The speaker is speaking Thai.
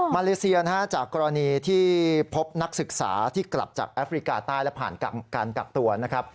เลเซียนะฮะจากกรณีที่พบนักศึกษาที่กลับจากแอฟริกาใต้และผ่านการกักตัวนะครับ